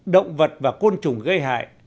động vật và côn trùng gây hại